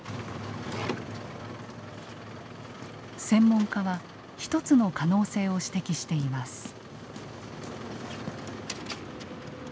専門家は１つの可能性を指摘しています。